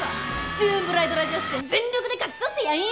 『ジューンブライドラジオ』出演全力で勝ち取ってやんよ！